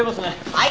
はい。